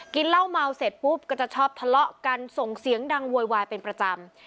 เหล้าเมาเสร็จปุ๊บก็จะชอบทะเลาะกันส่งเสียงดังโวยวายเป็นประจำ